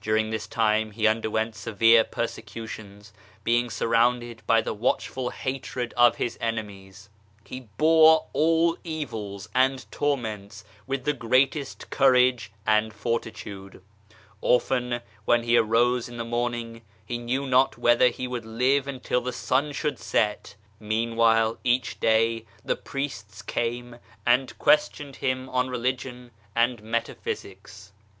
During this time he underwent severe persecutions, being surrounded by the watchful hatred of his enemies. He bore all evils and torments with the greatest courage and fortitude. Often when he arose in the morning, he knew not whether he would live until the sun should set. Meanwhile, each day, the Priests came and questioned him on Religion and Metaphysics.